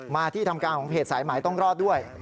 มาที่ทำการของเพจสายหมายต้องรอดด้วย